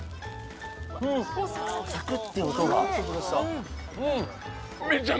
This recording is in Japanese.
サクッて音がうん！